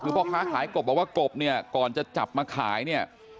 คือพ่อค้าขายกบบอกว่ากบเนี่ยก่อนจะจับมาขายเนี่ย